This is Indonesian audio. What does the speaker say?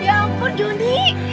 ya ampun jonny